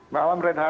selamat malam renhar